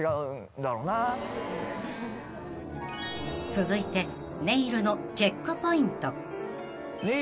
［続いてネイルのチェックポイント］